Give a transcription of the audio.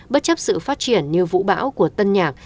bất chấp sự phát triển như vũ bão của tân nhạc